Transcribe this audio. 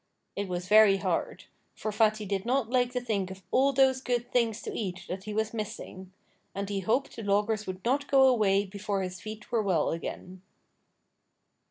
It was very hard. For Fatty did not like to think of all those good things to eat that he was missing. And he hoped the loggers would not go away before his feet were well again.